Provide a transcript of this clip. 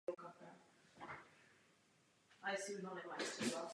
Díky pozdějšímu startu v České republice můžeme najít zatím formy všechny.